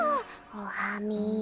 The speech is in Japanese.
おはみ。